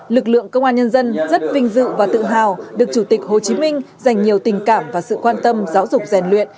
lực lượng công an nhân dân rất vinh dự và tự hào được chủ tịch hồ chí minh dành nhiều tình cảm và sự quan tâm giáo dục rèn luyện